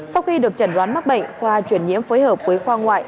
sau khi được chẩn đoán mắc bệnh khoa chuyển nhiễm phối hợp với khoa ngoại